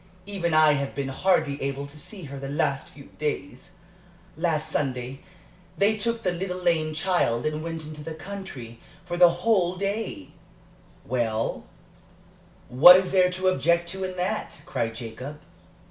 Even I have been hardly able to see her the last few days. Last Sunday they took the little lame child and went into the country for the whole day " "Well, what is there to object to in that?" cried Jacob.